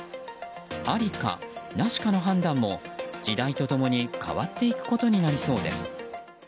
ありかなしかの判断も時代と共に変わっていくことになりそうです。